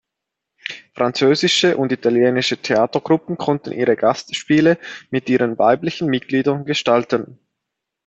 Französische und italienische Theatertruppen konnten ihre Gastspiele mit ihren weiblichen Mitgliedern gestalten.